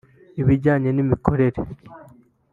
Ibijyanye n’imikorere